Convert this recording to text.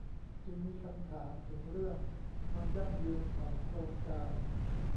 จึงมีคำถามถึงเรื่องความยั่งยืนของโครงการ